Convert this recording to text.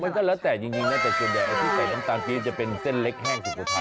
มันก็แล้วแต่จริงนะแต่ส่วนใหญ่ไอ้ที่ใส่น้ำตาลปี๊จะเป็นเส้นเล็กแห้งสุโขทัย